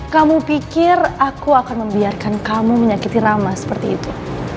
kamu pikir aku akan membiarkan kamu menyakiti rama seperti itu